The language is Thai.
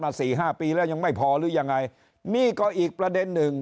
สี่ห้าปีแล้วยังไม่พอหรือยังไงนี่ก็อีกประเด็นหนึ่ง